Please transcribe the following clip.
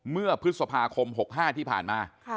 เมื่อพฤษภาคม๖๕ที่ผ่านมา